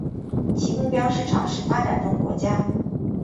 其目标市场是发展中国家。